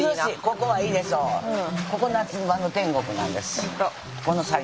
ここ夏場の天国なんです。